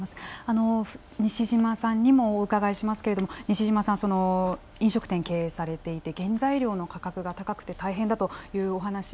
あの西嶋さんにもお伺いしますけれども西嶋さんその飲食店経営されていて原材料の価格が高くて大変だというお話されていました。